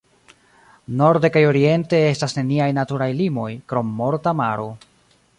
Norde kaj oriente estas neniaj naturaj limoj, krom Morta Maro.